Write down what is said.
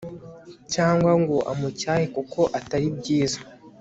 cyangwa ngo amucyahe kuko atari byiza